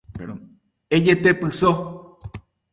Ejetepyso